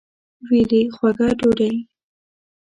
ویل یې خوږه ډوډۍ.